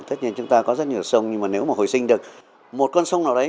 tất nhiên chúng ta có rất nhiều sông nhưng mà nếu mà hồi sinh được một con sông nào đấy